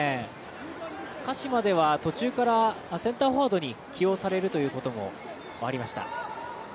鹿島では途中からセンターフォワードに起用されるということもありました。